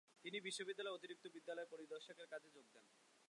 তিনি বিদ্যালয়সমূহের অতিরিক্ত বিদ্যালয় পরিদর্শকের কাজে যোগ দেন।